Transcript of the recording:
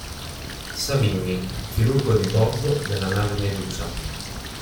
Savigny, chirurgo di bordo della nave Medusa.